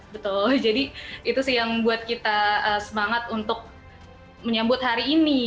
betul jadi itu sih yang buat kita semangat untuk menyambut hari ini